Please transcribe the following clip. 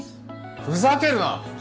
ふざけるな！